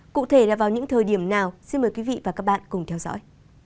cụ thể là vào những thời điểm nào xin mời quý vị và các bạn cùng theo dõi